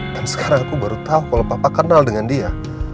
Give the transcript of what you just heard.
dan sekarang aku baru tahu kalau papa kenal dengan dia